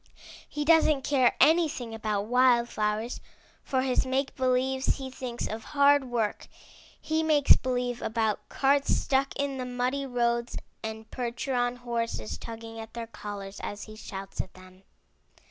He doesn't care anything about wild flowers. For his make believes he thinks of hard work. He makes believe about carts stuck in the muddy roads and percheron horses tugging at their collars as he shouts at them.